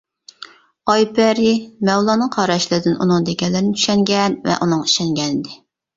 ئايپەرى مەۋلاننىڭ قاراشلىرىدىن ئۇنىڭ دېگەنلىرىنى چۈشەنگەن ۋە ئۇنىڭغا ئىشەنگەنىدى.